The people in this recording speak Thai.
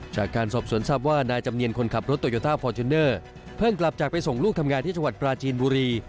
จากการสอบสวนทราบว่านายจำเนียนคนขับรถโตโยต้าฟอร์จูเนอร์เพิ่งกลับจากไปส่งลูกทำงานที่จังหวัดปราจีนบุรี